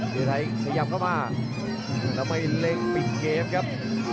เรือไทยขยับเข้ามาแล้วไม่เล็งปิดเกมครับ